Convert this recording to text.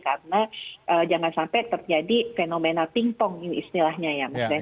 karena jangan sampai terjadi fenomena pingpong ini istilahnya ya